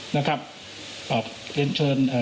นะครับออกติดเชิญเอ่อ